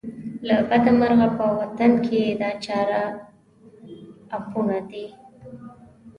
له بده مرغه په وطن کې دا چاره اپوټه ده.